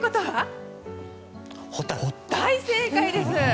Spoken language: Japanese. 大正解です。